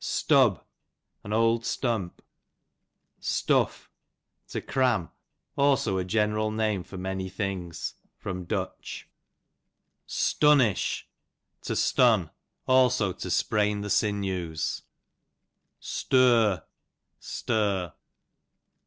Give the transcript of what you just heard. Stub, an old stump. Stuff, to cram ; also a general name for many things. Du. 104 Stunnish, to stun; also to sprain the sinews. Stur, stir.